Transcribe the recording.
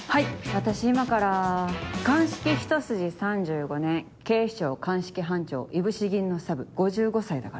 私今から鑑識ひと筋３５年警視庁鑑識班長いぶし銀のサブ５５歳だから。